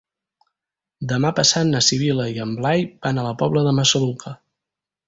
Demà passat na Sibil·la i en Blai van a la Pobla de Massaluca.